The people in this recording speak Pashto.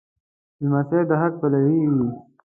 لمسی د حق پلوی وي.